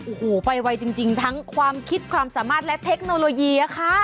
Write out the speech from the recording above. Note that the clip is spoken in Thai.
โอ้โหไปไวจริงทั้งความคิดความสามารถและเทคโนโลยีอะค่ะ